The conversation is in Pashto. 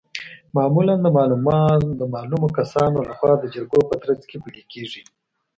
معمولا د معلومو کسانو لخوا د جرګو په ترڅ کې پلي کیږي.